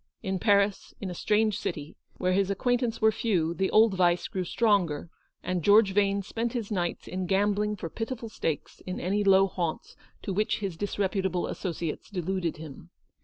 In Paris, in a strange city, where his acquaintance were few, the old vice grew stronger, and George Vane spent his nights in gambling for pitiful stakes in any low haunts to which his disreputable associates de luded him.